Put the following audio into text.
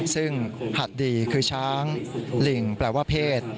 ซึ่ง฀าดดีคือช้างลิงแปลว่าเพศ